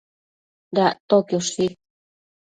Dactoquioshi